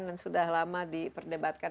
dan sudah lama diperdebatkan